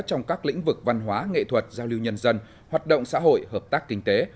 trong các lĩnh vực văn hóa nghệ thuật giao lưu nhân dân hoạt động xã hội hợp tác kinh tế